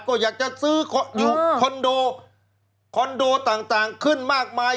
ก็อยากจะซื้ออยู่คอนโดคอนโดต่างขึ้นมากมาย